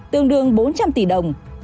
tương đương bốn trăm linh tỷ đồng